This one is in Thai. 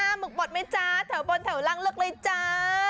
ปลาหมึกบดต้ี่จ้าแถวบนแถวรังเลือกเลยจ้า